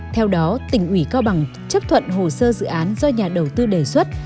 theo đó tỉnh ủy cao bằng chấp thuận hồ sơ dự án do nhà đầu tư đề xuất